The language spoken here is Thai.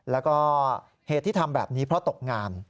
แล้วก็เหตุที่ทำแบบนี้เพราะตกงาน